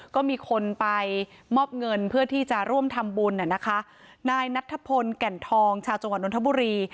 ก็มีคนไปมอบเงินเพื่อที่จะร่วมทำบุญน่ะนะคะนายนัทธพลแก่นทองชาวจังหวัดนทบุรี